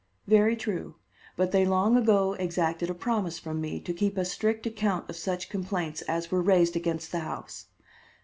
"Very true, but they long ago exacted a promise from me to keep a strict account of such complaints as were raised against the house.